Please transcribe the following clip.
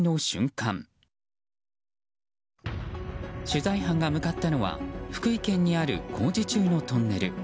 取材班が向かったのは福井県にある工事中のトンネル。